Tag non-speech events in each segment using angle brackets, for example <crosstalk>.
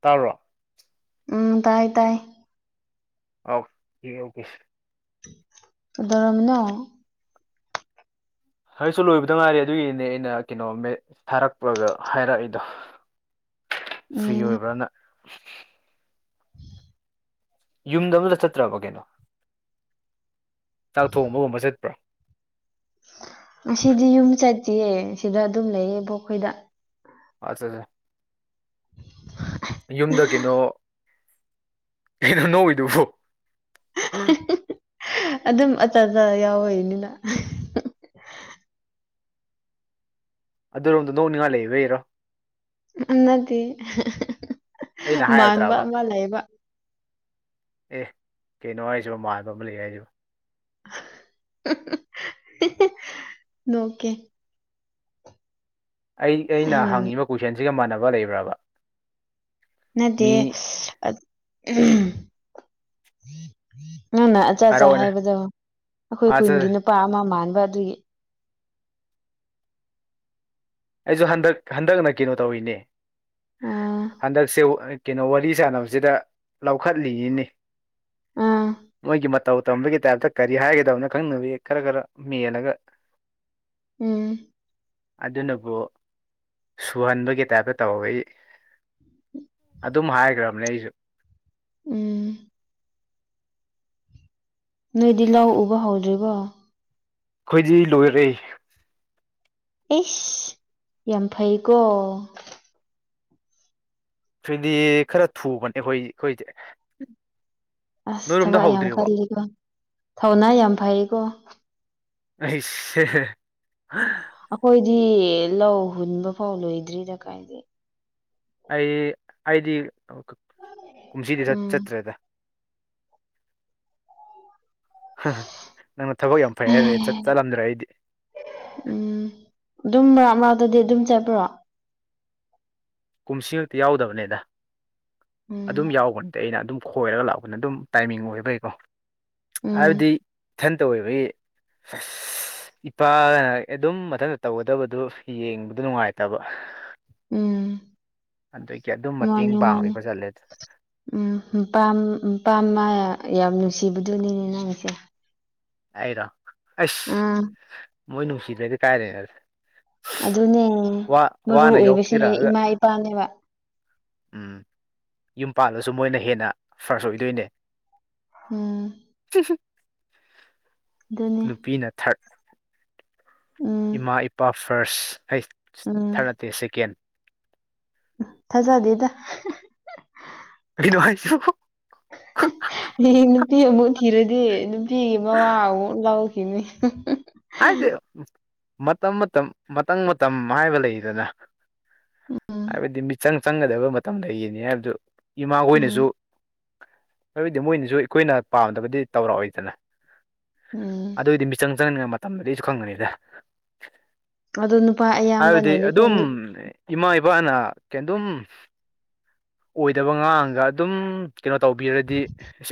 ꯇꯥꯕꯔꯣ ꯎꯝ ꯇꯥꯏ ꯇꯥꯏ ꯑꯣ ꯑꯣꯀꯦ ꯁ ꯗꯔꯃꯤꯅꯣ ꯍꯁꯨ ꯂꯣꯏꯕꯗ ꯉꯥꯏꯔꯦ ꯑꯗꯨꯒꯤꯅꯦ ꯑꯩꯅ ꯀꯩꯅꯣ ꯊꯥꯔꯛꯄꯒ ꯍꯥꯏꯔꯛꯏꯗꯣ ꯐ꯭ꯔꯤ ꯎꯝ ꯑꯣꯏꯕ꯭ꯔꯥꯅ ꯌꯨꯝꯗ ꯑꯃꯗ ꯆꯠꯇ꯭ꯔꯕ ꯀꯩꯅꯣ ꯆꯥꯛ ꯊꯣꯡꯕꯒꯨꯝꯕ ꯆꯠꯄ꯭ꯔꯣ ꯑꯁꯤꯗꯤ ꯌꯨꯝ ꯆꯠꯁꯤꯌꯦ ꯁꯤꯗ ꯑꯗꯨꯝ ꯂꯩꯌꯦꯕꯣꯈꯣꯏꯗ ꯑꯆꯥ ꯎ ꯌꯨꯝꯗ ꯀꯩꯅꯣ ꯀꯩꯅꯣ ꯅꯧꯋꯏꯗꯨꯕꯨ ꯑꯗꯨꯝ ꯑꯆꯥ ꯑꯆꯥ ꯌꯥꯎꯋꯅꯤꯅ ꯑꯗꯨꯔꯣꯝ ꯅꯣꯛ ꯅꯤꯡꯉꯥ ꯂꯩꯕꯩꯔꯣ ꯅꯗꯤ ꯑꯩꯅ ꯃꯥꯟꯕ ꯍꯥꯏꯔꯨꯗ꯭ꯔꯕ ꯑꯃ ꯂꯩꯕ ꯑꯦ ꯀꯩꯅꯣ ꯍꯥꯏꯁꯤꯕ ꯃꯥꯟꯕ ꯑꯃ ꯂꯩ ꯍꯥꯏꯁꯤꯕ ꯅꯣꯀꯦ ꯑꯩ ꯑꯩꯅ ꯍꯪꯉꯤꯕ ꯀꯣꯏꯁꯟꯁꯤꯒ ꯃꯥꯟꯅꯕ ꯂꯩꯕ꯭ꯔꯕ ꯅꯗꯤ ꯃꯤ ꯑꯗ ꯅꯪꯅ ꯑꯗꯨ ꯑꯆꯥꯆꯥ ꯍꯥꯏꯔꯛꯑꯣꯅꯦ ꯍꯥꯏꯕꯗꯣ ꯑꯩꯈꯣꯏ ꯑꯠꯆꯥ ꯈꯨꯟꯒꯤ ꯅꯨꯄꯥ ꯑꯃ ꯃꯥꯟꯕ ꯑꯗꯨꯒꯤ ꯑꯩꯁꯨ ꯍꯟꯗꯛ ꯍꯟꯗꯛꯅ ꯀꯩꯅꯣ ꯇꯧꯔꯤꯅꯦ ꯑꯥ ꯍꯟꯗꯛꯁꯦ ꯀꯩꯅꯣ ꯋꯥꯔꯤ ꯁꯥꯟꯅꯕꯁꯤꯗ ꯂꯧꯈꯠꯂꯤꯅꯤ ꯑꯥ ꯃꯣꯏꯒꯤ ꯇꯧ ꯇꯝꯕꯒꯤ ꯇꯥꯏꯞꯇ ꯀꯔꯤ ꯍꯥꯏꯒꯗꯕꯅꯣ ꯈꯪꯅꯕꯤ ꯈꯔ ꯈꯔ ꯃꯦꯜꯂꯒ ꯎꯝ ꯑꯗꯨꯅꯕꯨ ꯁꯨꯍꯟꯕꯒꯤ ꯇꯥꯏꯞꯇ ꯇꯧꯋꯦ ꯑꯩ ꯎ ꯑꯗꯨꯝ ꯍꯥꯏꯈ꯭ꯔꯕꯅꯦ ꯑꯩꯁꯨ ꯎꯝ ꯅꯣꯏꯗꯤ ꯂꯧ ꯎꯕ ꯍꯧꯗ꯭ꯔꯤꯕꯣ ꯑꯩꯈꯣꯏꯗꯤ ꯂꯣꯏꯔꯦ ꯑꯩꯁ ꯌꯥꯝ ꯐꯩꯀꯣ ꯁꯤꯗꯤ ꯈꯔ ꯊꯨꯕꯅꯦ ꯑꯩꯈꯣꯏ ꯑꯩꯈꯣꯏꯁꯦ ꯑꯁ ꯊꯕꯛ ꯌꯥꯝ ꯍꯧꯗ꯭ꯔꯤꯕꯣ ꯀꯜꯂꯤꯀꯣ ꯊꯧꯅꯥ ꯌꯥꯝ ꯐꯩꯀꯣ ꯑꯩꯁ ꯑꯩꯈꯣꯏꯗꯤ ꯂꯧ ꯍꯨꯟꯕ ꯐꯥꯎ ꯂꯣꯏꯗ꯭ꯔꯤꯗ ꯀꯥꯏꯗ ꯑꯩ ꯑꯩꯗꯤ ꯀꯨꯝꯁꯤꯗꯤ ꯎꯝ ꯆꯠꯇ꯭ꯔꯦꯗ ꯅꯪꯅ ꯊꯕꯛ ꯌꯥꯝ ꯐꯩ ꯍꯥꯏꯔꯦ ꯆꯠꯂꯝꯗ꯭ꯔꯦ ꯑꯩꯗꯤ ꯎꯝ ꯑꯗꯨꯝ ꯃꯔꯛ ꯃꯔꯛꯇꯗꯤ ꯑꯗꯨꯝ ꯆꯠꯄ꯭ꯔꯣ ꯀꯨꯝꯁꯤꯈꯛꯇꯤ ꯌꯥꯎꯗꯕꯅꯦꯗ ꯑꯗꯨꯝ ꯎꯝ ꯌꯥꯎꯕ ꯅꯠꯇꯦ ꯑꯩꯅ ꯑꯗꯨꯝ ꯈꯣꯏꯔꯒ ꯂꯥꯛꯄꯅ ꯑꯗꯨꯝ ꯇꯥꯏꯃꯤꯡ ꯑꯣꯏꯕꯩꯀꯣ ꯎꯝ ꯍꯥꯏꯕꯗꯤ ꯏꯊꯟꯇ ꯑꫭꯏꯕꯒꯤ ꯏꯄꯥ ꯑꯗꯨꯝ ꯃꯊꯟꯇ ꯇꯧꯒꯗꯕꯗꯨ ꯌꯦꯡꯕꯗꯨ ꯅꯨꯡꯉꯥꯏꯇꯕ ꯎꯝ ꯑꯗꯨꯒꯤ ꯑꯗꯨꯝ ꯃꯇꯦꯡ ꯃꯥꯅꯤ ꯃꯥꯅꯤ ꯄꯥꯡꯕꯤꯕ ꯆꯠꯂꯦ ꯎꯝ ꯄꯝ ꯄꯥꯝꯃ ꯌꯥꯝ ꯅꯨꯡꯁꯤꯕꯗꯨꯅꯤꯅꯦ ꯅꯪꯁꯦ ꯑꯩꯔꯣ ꯑꯁ ꯎꯝ ꯃꯣꯏ ꯅꯨꯡꯁꯤꯗꯔꯗꯤ ꯀꯥꯏꯗꯩꯅꫭꯗ ꯑꯗꯨꯅꯦ ꯃꯔꯨ ꯑꯣꯏꯕꯁꯦ ꯌꯣꯛꯄꯤꯔꯛꯑꯒ ꯏꯃꯥ ꯏꯄꯥꯅꯦꯕ ꯎꯝ ꯌꯨꯝ ꯄꯥꯜꯂꯁꯨ ꯃꯣꯏꯅ ꯍꯦꯟꯅ ꯐ꯭ꯔꯁ ꯑꯣꯏꯗꯣꯏꯅꯦ ꯎꯝ ꯑꯗꯨꯅꯦ ꯅꯨꯄꯤꯅ ꯊꯔꯠ ꯎꯝ ꯏꯃꯥ ꯏꯄꯥ ꯐꯥꯔꯁ ꯑꯩ ꯎꯝ ꯊꯥꯔꯠ ꯅꯠꯇꯦ ꯁꯦꯀꯦꯟ ꯊꯥꯖꯗꯦꯗ ꯀꯩꯅꫭ ꯍꯥꯏꯁꯨ ꯑꯣ <unintelligible> ꯍꯌꯦꯡ ꯅꯨꯄꯤ ꯑꯃꯨꯛ ꯊꯤꯔꯗꯤ ꯅꯨꯄꯤꯒꯤ ꯃꯋꯥ ꯑꯃꯨꯛ ꯂꯧꯈꯤꯅꯤ ꯍꯥꯏꯗꯤ ꯃꯇꯝ ꯃꯇꯝ ꯃꯇꯝ ꯃꯇꯝ ꯍꯥꯏꯕ ꯂꯩꯗꯅ ꯎꯝ ꯍꯥꯏꯕꯗꯤ ꯃꯤꯆꯪ ꯆꯪꯒꯗꯕ ꯃꯇꯝꯗ ꯌꯦꯅꯤ ꯍꯥꯏꯕꯗꯨ ꯏꯃꯥꯈꯣꯏꯅꯁꯨ ꯎꯝ ꯑꯗꯨꯗꯤ ꯃꯣꯏꯅꯁꯨ ꯑꯩꯈꯣꯏꯅ ꯄꯥꯝꯗꯕꯗꯤ ꯇꯧꯔꯛꯑꯣꯏꯗꯅ ꯎꯝ ꯑꯗꯨꯏꯗꯤ ꯃꯤꯆꯪ ꯆꯪꯅꯤꯉꯥꯏ ꯃꯇꯝꯗꯨꯗꯤ ꯑꯩꯁꯨ ꯈꯪꯒꯅꯤꯗ ꯑꯗꯣ ꯅꯨꯄꯥ ꯍꯥꯏꯕꯗꯤ ꯑꯌꯥꯝꯕꯅꯗꯤꯀꯣ ꯑꯗꯨꯝ ꯏꯃꯥ ꯏꯄꯥꯅ ꯀꯩ ꯑꯗꯨꯝ ꯑꯣꯏꯗꯕ ꯉꯥꯡꯒ ꯑꯗꯨꯝ ꯀꯩꯅꯣ ꯇꯧꯕꯤꯔꯗꯤ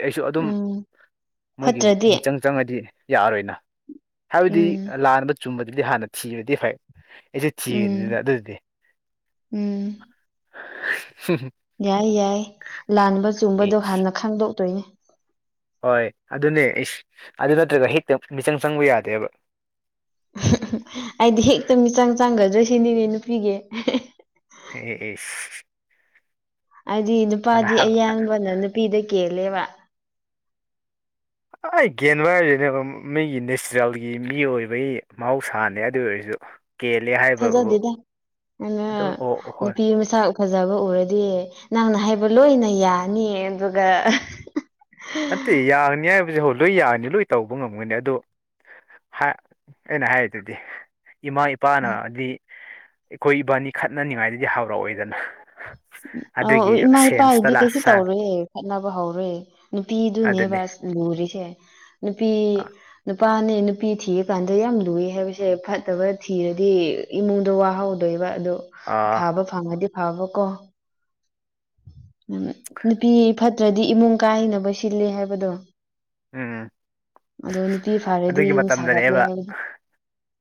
ꯑꯩꯁꯨ ꯑꯗꯨꯝ ꯎꯝ ꯃꯣꯏꯒꯤ ꯐꯠꯇ꯭ꯔꯗꯤ ꯃꯤꯆꯪ ꯆꯪꯉꯗꯤ ꯌꯥꯔꯣꯏꯅ ꯍꯥꯏꯕꯗꯤ ꯎꯝ ꯂꯥꯟꯕ ꯆꯨꯝꯕꯗꯨꯗꯤ ꯍꯥꯟꯅ ꯊꯤꯕꯗꯤ ꯐꯩ ꯑꯩꯁꯦ ꯊꯤꯈꯤꯕꯅꯤ ꯎꯝ ꯑꯗꯨꯅ ꯑꯗꯨꯗꯤ ꯎꯝ ꯁꯤꯔꯤ <unintelligible> ꯌꯥꯏ ꯌꯥꯏ ꯂꯥꯟꯕ ꯑꯦ ꯆꯨꯝꯕꯗꯣ ꯍꯥꯟꯅ ꯈꯥꯡꯗꯣꯛꯇꯣꯏꯅꯦ ꯍꯣꯏ ꯑꯗꯨꯅꯦ ꯏꯁ ꯑꯗꯨ ꯅꯠꯇ꯭ꯔꯒ ꯍꯦꯛꯇ ꯃꯤꯆꯪ ꯆꯪꯕ ꯌꯥꯗꯦꯕ ꯑꯩꯗꯤ ꯍꯦꯛꯇ ꯃꯤꯆꯪ ꯆꯥꯡꯒꯗ꯭ꯔ ꯁꯤꯅꯤꯅꯦ ꯅꯨꯄꯤꯒꯤ ꯏꯏꯁ ꯍꯥꯏꯗꯤ ꯅꯨꯄꯥꯗꯤ ꯑꯌꯥꯝꯕꯅ ꯅꯨꯄꯤꯗ ꯀꯦꯜꯂꯦꯕ ꯑꯩ ꯒꯦꯟꯕ ꯍꯥꯏꯖꯤꯅꯦ ꯑꯗꯨꯝ ꯃꯤꯒꯤ ꯅꯦꯆꯔꯦꯜꯒꯤ ꯃꯤ ꯑꯣꯏꯕꯒꯤ ꯃꯍꯧꯁꯥꯅꯦ ꯑꯗꯨ ꯑꯣꯏꯔꯁꯨ ꯀꯦꯜꯂꯦ ꯍꯥꯏꯕꯕꯨ ꯊꯥꯖꯗꯦꯗ ꯑꯩꯅ ꯑꯗꯨꯝ ꯑꯣ ꯍꯣꯏ ꯅꯨꯄꯤ ꯃꯁꯛ ꯐꯖꯕ ꯎꯔꯗꯤ ꯅꯪꯅ ꯍꯥꯏꯕ ꯂꯣꯏꯅ ꯌꯥꯅꯤ ꯑꯗꯨꯒ ꯅꯠꯇꯦ ꯌꯥꯅꯤ ꯍꯥꯏꯕꯖꯦ ꯍꯣꯏ ꯂꯣꯏ ꯌꯥꯒꯅꯤ ꯂꯣꯏ ꯇꯧꯕ ꯉꯝꯒꯅꯤ ꯑꯗꯣ ꯑꯩꯅ ꯍꯥꯏꯗꯨꯗꯤ ꯏꯃꯥ ꯏꯄꯥꯅꯗꯤ ꯑꯩꯈꯣꯏ ꯏꯕꯥꯅꯤ ꯈꯠꯅꯅꯤꯡꯉꯥꯏꯗꯗꯤ ꯍꯥꯎꯔꯛꯑꯣꯏꯗꯅ ꯑꯩ ꯏꯃꯥ ꯏꯄꯥ ꯏꯗꯤ ꯀꯩꯁꯨ ꯇꯧꯔꯦ ꯈꯠꯅꯕ ꯍꯧꯔꯨꯏ ꯅꯨꯄꯤꯗꯨꯅꯦꯕ ꯑꯗꯨꯅꯤ ꯑꯁ ꯂꯨꯔꯤꯁꯦ ꯅꯨꯄꯤ ꯑ ꯅꯨꯄꯥꯅꯦ ꯅꯨꯄꯤ ꯊꯤꯔꯀꯥꯟꯗ ꯌꯥꯝ ꯂꯨꯏ ꯍꯥꯏꯕꯁꯦ ꯐꯠꯇꯕ ꯊꯤꯔꯗꯤ ꯏꯃꯨꯡꯗ ꯋꯥꯍꯧ ꯑꯗꯨꯗꯣꯏꯕ ꯑꯗꯨꯗꯣ ꯑ ꯐꯥꯕ ꯐꯪꯉꯗꯤ ꯐꯥꯕꯀꯣ ꯎꯝ ꯅꯨꯄꯤ ꯐꯠꯇ꯭ꯔꯗꯤ ꯏꯃꯨꯡ ꯀꯥꯏꯅꯕ ꯁꯤꯜꯂꯤ ꯍꯥꯏꯕꯗꯣ ꯎꯝ ꯑꯗꯣ ꯅꯨꯄꯤ ꯐꯔꯗꯤ ꯑꯗꯨꯒꯤ ꯌꯨꯝ ꯁꯥꯒꯠꯂꯦ ꯃꯇꯝꯗꯅꯦꯕ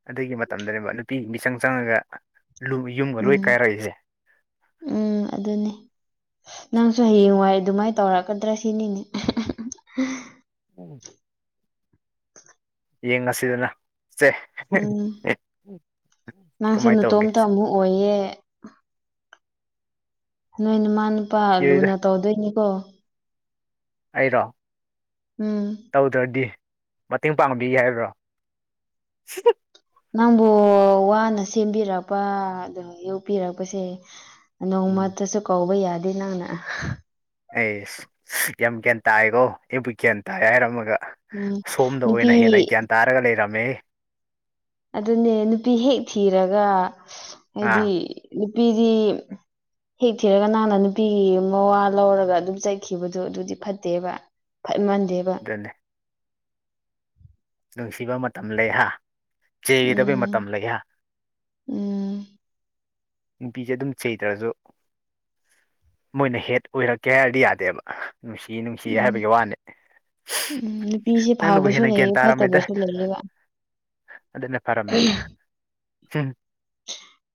ꯑꯗꯨꯒꯤ ꯃꯇꯝꯗꯅꯦꯕ ꯅꯨꯄꯤ ꯃꯤꯆꯪ ꯆꯪꯉꯒ ꯌꯨꯝꯒ ꯂꯣꯏ ꯎꯝ ꯀꯥꯏꯔꯛꯏꯁꯦ ꯎꯝ ꯑꯗꯨꯅꯦ ꯅꯪꯁꯨ ꯍꯌꯦꯡꯋꯥꯏ ꯑꯗꯨꯃꯥꯏꯅ ꯇꯧꯔꯛꯀꯗ꯭ꯔꯥ ꯁꯤꯅꯤꯅꯦ ꯌꯦꯡ ꯉꯁꯤꯗꯅ ꯁꯦ ꯎꯝ ꯅꯪꯁꯨ ꯀꯃꯥꯏꯅ ꯇꯧꯒꯦ ꯅꯇꯣꯝꯇ ꯑꯃꯨꯛ ꯑꯣꯏꯌꯦ ꯅꯣꯏ ꯅꯨꯃꯥ ꯅꯨꯄꯥ ꯌꯦꯗ ꯂꯨꯅ ꯇꯧꯗꯣꯏꯅꯤꯀꯣ ꯑꯩꯔꯣ ꯎꯝ ꯇꯧꯗ꯭ꯔꯗꯤ ꯃꯇꯦꯡ ꯄꯥꯡꯕꯤꯒ ꯍꯥꯏꯕ꯭ꯔꯣ ꯅꯪꯕꯨ ꯋꯥꯅ ꯁꯦꯝꯕꯤꯔꯛꯄ ꯑꯗꯨꯒ ꯌꯣꯛꯄꯤꯔꯛꯄꯁꯦ ꯎꯝ ꯅꯣꯡꯃꯇꯁꯨ ꯀꯧꯕ ꯌꯥꯗꯦ ꯅꯪꯅ ꯑꯩ ꯌꯥꯝ ꯒ꯭ꯌꯥꯟ ꯇꯥꯏꯥꯏꯀꯣ ꯑꯩꯕꯨ ꯒ꯭ꯌꯥꯟ ꯇꯥꯏ ꯍꯥꯏꯔꯝꯃꯒ ꯎꯝ ꯁꯣꯝꯗ ꯅꯨꯄꯤ ꯑꯣꯏꯅ ꯍꯦꯟꯅ ꯒ꯭ꯌꯥꯟ ꯇꯥꯔꯒ ꯂꯩꯔꯝꯃꯦ ꯑꯗꯨꯅꯦ ꯅꯨꯄꯤ ꯍꯦꯛ ꯊꯤꯔꯒ ꯑꯥ ꯍꯥꯏꯗꯤ ꯅꯨꯄꯤꯗꯤ ꯍꯦꯛ ꯊꯤꯔꯒ ꯅꯪꯅ ꯅꯨꯄꯤꯒꯤ ꯃꯋꯥ ꯂꯧꯔꯒ ꯑꯗꯨꯝ ꯆꯠꯈꯤꯕꯗꯣ ꯑꯗꯨꯗꯤ ꯐꯠꯇꯦꯕ ꯐꯃꯥꯟꯗꯦꯕ ꯦ ꯅꯨꯡꯁꯤꯕ ꯃꯇꯝ ꯂꯩꯍꯥ ꯆꯦꯒꯗꯕ ꯎꯝ ꯎꯝ ꯅꯨꯄꯤꯁꯦ ꯑꯗꯨꯝ ꯆꯩꯇ꯭ꯔꯁꯨ ꯃꯣꯏꯅ ꯍꯦꯠ ꯑꯣꯏꯔꯛꯀꯦ ꯍꯥꯏꯔꯗꯤ ꯌꯥꯗꯦꯕ ꯅꯨꯡꯁꯤ ꯅꯨꯡꯁꯤ ꯎꯝ ꯍꯥꯏꯕꯒꯤ ꯋꯥꯅꯤ ꯅꯪꯅꯕꯨ ꯍꯦꯟꯅ ꯒ꯭ꯌꯥꯟ ꯇꯧꯕꯁꯨ ꯂꯩ ꯋꯥ ꯑꯗꯨꯗꯟꯅ ꯄꯔꯝꯃꯦꯗꯝ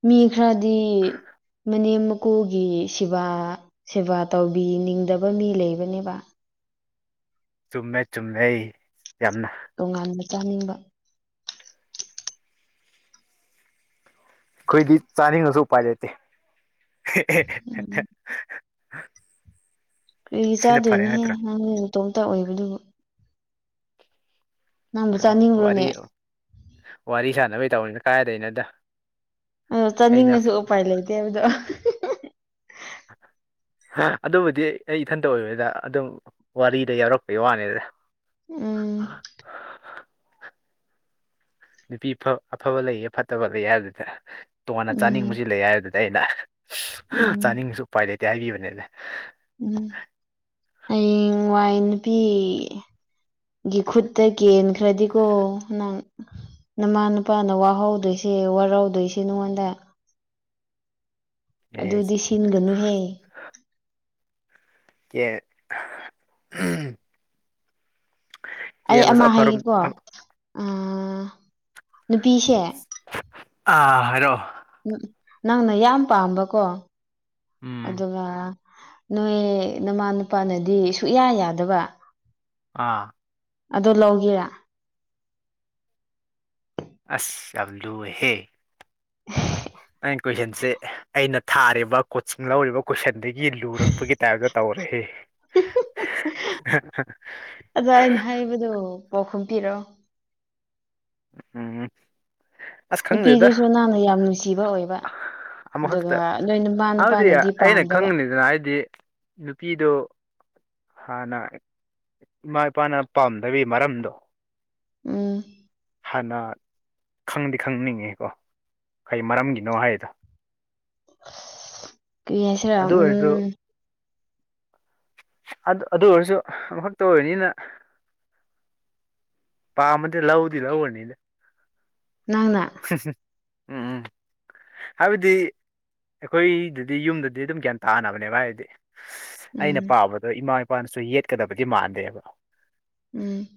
ꯃꯤ ꯈꯔꯗꯤ ꯃꯅꯦꯝ ꯀꯀꯨꯒꯤ ꯁꯦꯕꯥ ꯁꯦꯕꯥ ꯇꯧꯕꯤꯅꯤꯡꯗꯕ ꯃꯤ ꯂꯩꯕꯅꯦꯕ ꯆꯨꯝꯃꯦ ꯆꯨꯝꯃꯦ ꯑꯩ ꯌꯥꯝꯅ ꯇꯣꯉꯥꯟꯕ ꯆꯥꯅꯤꯡꯕ ꯑꯩꯈꯣꯏꯗꯤ ꯆꯥꯅꯤꯡꯉꯁꯨ ꯎꯄꯥꯏ ꯂꯩꯇꯦ ꯎꯝ ꯀꯩ ꯁꯤꯅ ꯐꯔꯦ ꯆꯥꯗꯣꯏꯅꯍꯦ ꯅꯠꯇ꯭ꯔꯥ ꯅꯪꯇꯣꯝꯇ ꯑꯣꯏꯕꯗꯨꯕꯨ ꯅꯪꯕꯨ ꯑꯣ ꯆꯥꯅꯤꯡꯈ꯭ꯔꯣꯅꯦ ꯋꯥꯔꯤ ꯋꯥꯔꯤ ꯁꯥꯟꯅꯕꯩ ꯇꯧꯔꯤꯅꯤꯅ ꯀꯥꯏꯗꯩꯅꯣꯗ ꯑꯗꯣ ꯑꯩꯅ ꯆꯥꯅꯤꯡꯉꯁꯨ ꯎꯄꯥꯏ ꯂꯩꯇꯦ ꯍꯥꯏꯕꯗꯣ ꯑꯗꯨꯕꯨꯗꯤ ꯑꯩ ꯏꯊꯟꯇ ꯑꯣꯏꯕꯅꯤꯗ ꯑꯗꯨꯝ ꯋꯥꯔꯤꯗ ꯌꯥꯎꯔꯛꯄꯩ ꯋꯥꯅꯤꯗ ꯎꯝ ꯅꯨꯄꯤ ꯑꯐꯕ ꯂꯩꯌꯦ ꯐꯠꯇꯕ ꯂꯩ ꯍꯥꯏꯕꯗꯨꯗ ꯇꯣꯉꯥꯟꯅ ꯎꯝ ꯆꯥꯅꯤꯡꯕꯕꯁꯤ ꯂꯩ ꯍꯥꯏꯕꯗꯨꯗꯤ ꯑꯩꯅ ꯑ ꯎꯝ ꯆꯥꯅꯤꯡꯉꯁꯨ ꯎꯄꯥꯏ ꯂꯩꯇꯦ ꯍꯥꯏꯈꯤꯕꯅꯦꯅꯦ ꯎꯝ ꯍꯌꯦꯡ ꯋꯥꯏ ꯅꯨꯄꯤ ꯒꯤ ꯈꯨꯠꯇ ꯀꯦꯟꯈ꯭ꯔꯗꯤꯀꯣ ꯅꯪ ꯅꯃꯥ ꯅꯨꯄꯥꯅ ꯋꯥꯍꯧꯗꯣꯏꯁꯦ ꯋꯥꯔꯧꯗꯣꯏꯁ ꯅꯉꯣꯟꯗ ꯑꯗꯨꯗꯤ ꯁꯤꯟꯒꯅꯨꯍꯦ ꯀ ꯎ ꯑꯩ ꯑꯃ ꯑꯐꯔꯣꯝ ꯍꯥꯏꯒꯦꯀꯣ ꯅꯨꯄꯤꯁꯦ ꯑꯥ ꯍꯥꯏꯔꯣ ꯅꯪꯅ ꯌꯥꯝ ꯄꯥꯝꯕꯀꯣ ꯎꯝ ꯑꯗꯨꯒ ꯅꯣꯏ ꯅꯃꯥ ꯅꯨꯨꯄꯥꯅꯗꯤ ꯁꯨꯌꯥ ꯌꯥꯗꯕ ꯑꯥ ꯑꯗꯨ ꯂꯧꯒꯦꯔ ꯑꯁ ꯑ ꯂꯣꯍꯦ ꯑꯩꯅ ꯀꯣꯏꯁꯟꯁꯦ ꯑꯩꯅ ꯊꯥꯔꯤꯕ ꯀꯣꯆꯤꯡ ꯂꯧꯔꯤꯕ ꯀꯣꯏꯁꯟꯗꯒꯤ ꯂꯨꯔꯛꯄꯒꯤ ꯇꯥꯏꯞꯇ ꯇꯧꯔꯦꯏꯦ ꯑꯗ ꯑꯩꯅ ꯍꯥꯏꯕꯗꯨ ꯄꯥꯎꯈꯨꯝ ꯄꯤꯔꯛꯣ ꯎꯝ ꯑꯁ ꯈꯪꯗꯦꯗ ꯅꯨꯄꯤꯗꯨꯁꯨ ꯅꯪꯅ ꯌꯥꯝ ꯅꯨꯡꯁꯤꯕ ꯑꯣꯏꯕ ꯑꯃꯈꯛꯇ ꯑꯗꯨꯒ ꯅꯣꯏ ꯅꯨꯄꯥ ꯑꯗꯨꯗꯤ ꯅꯨꯄꯥꯅꯗꯤ ꯑꯩꯅ ꯄꯥꯝꯗꯕ ꯈꯪꯉꯅꯤꯗꯅ ꯍꯥꯏꯗꯤ ꯅꯨꯄꯤꯗꯨꯣ ꯍꯥꯟꯅ ꯏꯃꯥ ꯏꯄꯥꯅ ꯄꯥꯝꯗꯕꯤ ꯃꯔꯝꯗꯣ ꯎꯝ ꯍꯥꯟꯅ ꯈꯪꯗꯤ ꯈꯪꯅꯤꯡꯉꯤꯀꯣ ꯀꯩ ꯃꯔꯝꯒꯤꯅꯣ ꯍꯥꯏꯗ <inaudible> ꯍꯥꯏꯁꯤꯔꯥ ꯑꯗꯨ ꯑꯣꯏꯔꯁꯨ ꯎꯝ ꯑꯗꯨ ꯑꯣꯏꯔꯁꯨ ꯑꯃꯈꯛꯇ ꯑꯣꯏꯅꯤꯅ ꯄꯥ ꯃꯦ ꯂꯧꯗꯤ ꯂꯧꯅꯤꯅꯦ ꯅꯪꯅ ꯎꯝ ꯎꯝ ꯍꯥꯏꯕꯗꯤ ꯑꯩꯈꯣꯏꯗꯗꯤ ꯌꯨꯝꯗꯗꯤ ꯑꯗꯨꯝ ꯒ꯭ꯌꯥꯟ ꯇꯥꯅꯕꯅꯦꯕ ꯍꯥꯏꯗꯤ ꯑꯩꯅ ꯎꯝ ꯄꯥꯕꯗꯣ ꯏꯃꯥ ꯏꯄꯥꯅꯁꯨ ꯌꯦꯠꯀꯗꯕꯗꯤ ꯃꯥꯟꯗꯦꯕ ꯎꯝ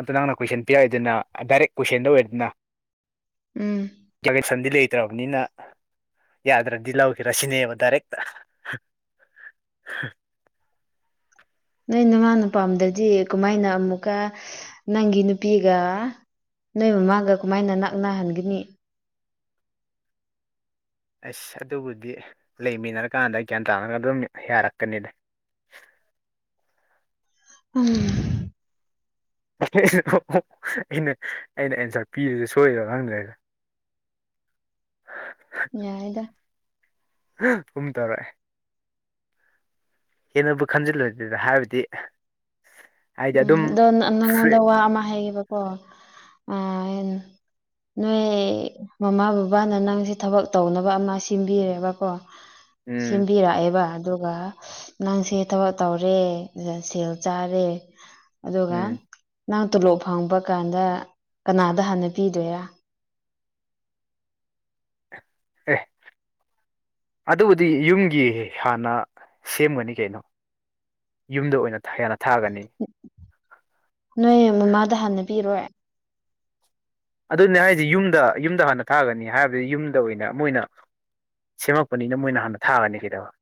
ꯑꯇ ꯅꯪꯅ ꯀꯣꯏꯁꯟ ꯄꯤꯛꯏꯗꯅ ꯗꯥꯏꯔꯦꯛ ꯀꯣꯏꯁꯟꯗ ꯑꯣꯏꯔꯦꯗꯅ ꯎꯝ ꯀꯀꯁꯟꯗꯤ ꯂꯩꯇ꯭ꯔꯕꯅꯤꯅ ꯌꯥꯗ꯭ꯔꯗꯤ ꯂꯧꯈꯤꯔ ꯁꯤꯅꯦꯕ ꯗꯥꯏꯔꯦꯛꯇ ꯅꯣꯏ ꯅꯃꯥ ꯅꯨꯄꯥꯝꯗꯗꯤ ꯀꯃꯥꯏꯅ ꯑꯃꯨꯛꯀ ꯅꯪꯒꯤ ꯅꯨꯄꯤꯒ ꯅꯣꯏ ꯃꯃꯥꯒ ꯀꯃꯥꯏꯅ ꯅꯅꯥꯛꯅꯍꯟꯒꯅꯤ ꯑꯁ ꯑꯗꯨꯕꯨꯗꯤ ꯂꯩꯃꯤꯟꯅꯔꯀꯥꯟꯗ ꯒ꯭ꯌꯥꯟ ꯇꯥꯅꯒ ꯑꯗꯨꯝ ꯌꯥꯔꯛꯀꯅꯤꯅꯦ ꯑꯝ ꯑꯣ ꯑꯩꯅ ꯑꯩꯅ ꯑꯦꯟꯁꯥꯔ ꯄꯤꯔꯁꯦ ꯁꯣꯏꯗ ꯈꯪꯗ꯭ꯔꯒ ꯍ ꯌꯥꯏꯗ ꯎꯨꯝ ꯇꯔꯦ ꯍꯦꯟꯅꯕꯨ ꯈꯟꯖꯤꯜꯂ ꯑꯗꯨꯗ ꯍꯥꯏꯕꯗꯤ ꯍꯥꯏꯗꯤ ꯎꯝ ꯑꯗꯨꯝ ꯑꯗꯣ ꯐ꯭ꯔꯤ ꯅꯪꯉꯣꯟꯗ ꯋꯥ ꯑꯃ ꯍꯥꯏꯌꯦꯕꯀꯣ ꯑ ꯅꯣꯏ ꯃꯃꯥ ꯕꯕꯥꯅ ꯅꯪꯁꯦ ꯊꯕꯛ ꯇꯧꯅꯕ ꯑꯃ ꯁꯤꯟꯕꯤꯔꯦꯕꯀꯣ <inaudible> ꯁꯦꯝꯕꯤꯔꯛꯑꯦꯕ ꯑꯗꯨꯒ ꯅꯪꯁꯦ ꯊꯕꯛ ꯇꯧꯔꯦ ꯁꯦꯜ ꯆꯥꯔꯦ ꯑꯗꯨꯒ ꯎꯝ ꯅꯪ ꯇꯣꯂꯣꯞ ꯐꯪꯕ ꯀꯥꯟꯗ ꯀꯅꯥꯗ ꯍꯥꯟꯅ ꯄꯤꯗꯣꯏꯔ ꯑꯦ ꯑꯗꯨꯕꯨꯗꯤ ꯌꯨꯝꯒꯤ ꯍꯥꯟꯅ ꯁꯦꯝꯒꯅꯤ ꯀꯩꯅꯣ ꯌꯨꯝꯗ ꯑꯣꯏꯅ ꯍꯅ ꯊꯥꯛꯒꯅꯤ ꯅꯣꯏ ꯃꯃꯥꯗ ꯍꯥꯟꯅ ꯄꯤꯔꯣꯏ ꯑꯗꯨꯅꯦ ꯍꯥꯏꯁꯤꯦ ꯌꯨꯝꯗ ꯌꯨꯝꯗ ꯍꯥꯟꯅ ꯊꯥꯒꯅꯤ ꯍꯥꯏꯕꯗꯤ ꯌꯨꯝꯗ ꯑꯣꯏꯅ ꯃꯣꯏ ꯑꯣꯏꯅ ꯁꯦꯝꯃꯛꯄꯅꯤꯅ ꯃꯣꯏꯅ ꯍꯥꯟꯅ ꯊꯥꯒꯅꯤ ꯀꯩꯗꯕ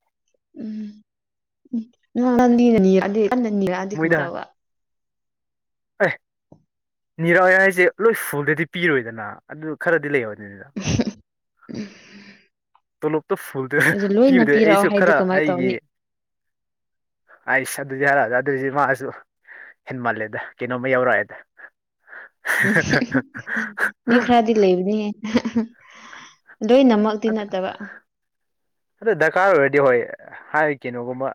ꯎꯝ ꯅꯅꯤ ꯃꯣꯏꯗ ꯑꯦ ꯅꯤꯔꯥ ꯍꯥꯏꯁꯦ ꯂꯣꯏ ꯐꯨꯜꯗꯗꯤ ꯄꯤꯔꯣꯏꯗꯅ ꯑꯗꯨ ꯈꯔꯗꯤ ꯂꯩꯍꯅꯤ ꯇꯣ ꯂꯇꯣ ꯐꯨꯜ ꯑꯗꯨ ꯂꯣꯏꯅ ꯄꯤꯕꯗꯨ ꯄꯤꯔꯛꯑꯣ ꯑꯩꯁꯨ ꯍꯥꯏꯗꯤ ꯈꯔ ꯀꯃꯥꯏꯅ ꯑꯩꯒꯤ ꯇꯧꯅꯤ ꯑꯥꯏꯁ ꯑꯗꯨꯗꯤ ꯍꯥꯏꯔ ꯑꯗꯨꯏꯁꯤ ꯃꯥꯁꯨ ꯍꯦꯟ ꯃꯥꯜꯂꯦꯗ ꯀꯩꯅꯣꯝꯃ ꯌꯧꯔꯛꯑꯦꯗ ꯎꯝ ꯃꯤ ꯈꯔꯗ ꯂꯩꯕꯅꯤ ꯂꯣꯏꯅꯃꯛꯇꯤ ꯅꯠꯇꯕ ꯑꯗꯣ ꯗꯔꯀꯥꯔ ꯑꯣꯏꯔꯗꯤ ꯍꯣꯏ ꯍꯥꯏ ꯀꯩꯅꯣꯒꯨꯝꯕ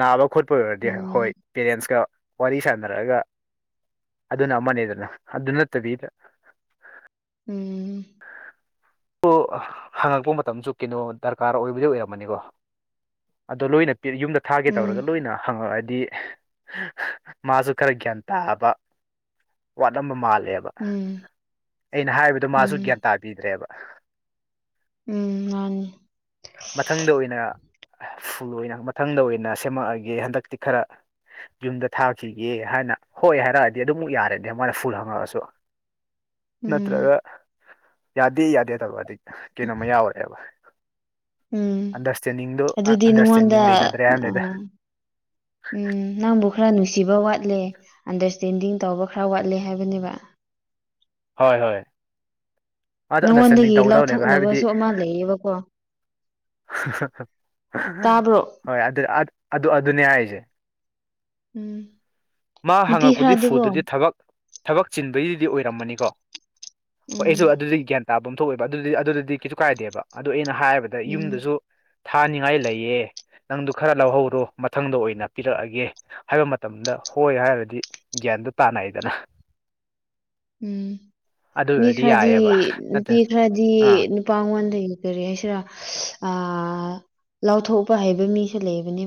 ꯅꯥꯕ ꯈꯣꯠꯄ ꯑꯣꯏꯔꯗꯤ ꯍꯣꯏ ꯎꯝ ꯄꯦꯔꯦꯟꯁꯀ ꯋꯥꯔꯤ ꯁꯥꯟꯅꯔꯛꯑꯒ ꯑꯗꯨꯅ ꯑꯃꯅꯦꯗꯅ ꯑꯗꯨ ꯅꯠꯇꯕꯤꯗ ꯎꯝ ꯑꯣ ꯍꯪꯉꯛꯄ ꯃꯇꯝꯁꯨ ꯀꯩꯅꯣ ꯗꯔꯀꯥꯔ ꯑꯣꯏꯕꯗꯤ ꯑꯣꯏꯔꯝꯃꯅꯤꯀꯣ ꯑꯗꯣ ꯂꯣꯏꯅ ꯌꯨꯝꯗ ꯊꯥꯒꯦ ꯇꯧꯔꯒ ꯎꯝ ꯂꯣꯏꯅ ꯍꯪꯉꯛꯑꯗꯤ ꯃꯥꯁꯨ ꯈꯔ ꯒ꯭ꯌꯥꯟ ꯇꯥꯕ ꯋꯥꯠꯝꯕ ꯃꯥꯜꯂꯦꯕ ꯎꯝ ꯑꯩꯅ ꯍꯥꯏꯕꯗꯣ ꯃꯥꯁꯨ ꯎꯝ ꯒ꯭ꯌꯥꯟ ꯇꯥꯕꯤꯗ꯭ꯔꯦꯕ ꯎꯝ ꯃꯥꯅꯤ ꯃꯊꯪꯗ ꯑꯣꯏꯅ ꯐꯨꯜ ꯑꯣꯏꯅ ꯃꯊꯪꯗ ꯑꯣꯏꯅ ꯁꯦꯝꯃꯛꯑꯒꯦ ꯍꯟꯗꯛꯇꯤ ꯈꯔ ꯌꯨꯝꯗ ꯊꯥꯈꯤꯒꯦ ꯍꯥꯏꯅ ꯍꯣꯏ ꯍꯥꯏꯔꯛꯑꯗꯤ ꯑꯗꯨꯝꯃꯨꯛ ꯌꯥꯔꯗꯤ ꯃꯣꯏꯗ ꯐꯨꯜ ꯍꯪꯉꯛꯑꯁꯨ ꯎꯝ ꯅꯠꯇ꯭ꯔꯒ ꯌꯥꯗꯦ ꯌꯥꯗꯦ ꯇꯔꯗꯤ ꯀꯩꯅꯣꯝꯃ ꯌꯥꯎꯔꯦꯕ ꯎꯝ ꯑꯟꯗꯔꯁꯇꯦꯟꯗꯤꯡꯗꯨꯣ ꯑꯗꯨꯗꯤ ꯅꯉꯣꯟꯗ ꯑꯟꯗꯔꯁꯇꯦꯟꯗꯤꯡ ꯂꯩꯅꯗ꯭ꯔꯦ ꯑ ꯍꯥꯏꯔꯝꯗꯥꯏꯗ ꯎꯝ ꯅꯪꯕꯨ ꯈꯔ ꯅꯨꯡꯁꯤꯕ ꯋꯥꯠꯂꯦ ꯑꯟꯗꯔꯁꯇꯦꯟꯗꯤꯡ ꯇꯧꯕ ꯈꯔ ꯋꯥꯠꯂꯦ ꯍꯥꯏꯕꯅꯦꯕ ꯍꯣꯏ ꯍꯣꯏ ꯑꯗ ꯑꯟꯗꯔꯁꯇꯦꯟꯗꯤꯡ ꯅꯪꯉꯣꯟꯗꯒꯤ ꯇꯧꯒꯗꯕꯅꯦꯕ ꯍꯥꯏꯕꯗꯤ ꯂꯧꯊꯣꯛꯅꯕꯁꯨ ꯑꯃ ꯂꯩꯌꯦꯕꯀꯣ ꯇꯥꯕ꯭ꯔꯣ ꯍꯣꯏ ꯑꯗꯨ ꯑꯗꯨ ꯑꯗꯨꯅꯦ ꯍꯥꯏꯁꯦ ꯎꯝ ꯃꯥ ꯅꯨꯄꯤ ꯍꯪꯉꯛꯄꯗꯤ ꯈꯔꯗꯤꯀꯣ ꯐꯨꯗꯨꯗꯤ ꯊꯕꯛ ꯊꯕꯛ ꯆꯤꯟꯕꯒꯤꯗꯨꯗꯤ ꯑꯣꯏꯔꯝꯃꯅꯤꯀꯣ ꯍꯣꯏ ꯎꯝ ꯑꯩꯁꯨ ꯑꯗꯨꯗꯤ ꯒ꯭ꯌꯥꯟ ꯇꯥꯕ ꯄꯝ ꯊꯣꯛꯑꯦꯕ ꯑꯗꯨꯗꯤ ꯑꯗꯨꯗꯗꯤ ꯀꯩꯁꯨ ꯀꯥꯏꯗꯦꯕ ꯑꯗꯨ ꯑꯩꯅ ꯍꯥꯏꯔꯕꯗ ꯑꯗ ꯎꯝ ꯌꯨꯝꯗꯁꯨ ꯊꯥꯅꯤꯡꯉꯥꯏ ꯂꯩꯌꯦ ꯅꯪꯗꯨ ꯈꯔ ꯂꯧꯍꯧꯔꯣ ꯃꯊꯪꯗ ꯑꯣꯏꯅ ꯄꯤꯔꯛꯑꯒꯦ ꯍꯥꯏꯕ ꯃꯇꯝꯗ ꯍꯣꯏ ꯍꯥꯏꯔꯗꯤ ꯒ꯭ꯌꯥꯟꯗ ꯇꯥꯅꯩꯗꯅ ꯎꯝ ꯑꯗꯨ ꯃꯤ ꯑꯣꯏꯔꯗꯤ ꯈꯔꯗꯤ ꯌꯥꯏꯑꯕ ꯅꯨꯄꯤ ꯅꯠꯇ꯭ꯔ ꯈꯔꯗꯤ ꯑꯥ ꯃꯄꯥꯡꯒꯣꯟꯗꯒꯤ ꯀꯔꯤ ꯍꯥꯏꯁꯤꯔꯥ ꯑ ꯂꯥꯎꯊꯣꯛꯄ ꯍꯩꯕ ꯃꯤꯁꯨ ꯂꯩꯕꯅꯦꯕ